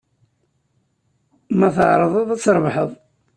Ma tɛerḍeḍ, ad trebḥeḍ.